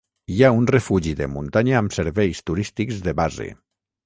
Hi ha un refugi de muntanya amb serveis turístics de base.